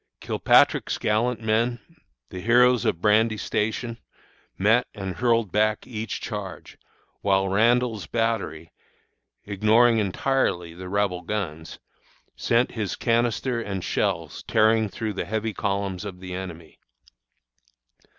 Kilpatrick's gallant men the heroes of Brandy Station met and hurled back each charge, while Randall's battery, ignoring entirely the Rebel guns, sent his canister and shells tearing through the heavy columns of the enemy.